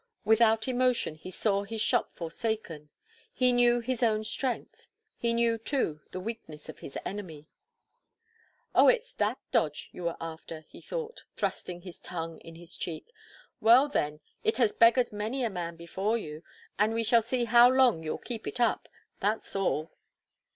Without emotion he saw his shop forsaken he knew his own strength; he knew, too, the weakness of his enemy. "Oh! It's that dodge you are after," he thought, thrusting his tongue in his cheek. "Well, then, it has beggared many a man before you; and we shall see how long you'll keep it up that's all."